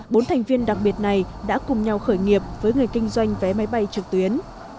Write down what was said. bốn thành viên đặc biệt này đã cùng nhau khởi nghiệp với người kinh doanh vé máy bay trực tuyến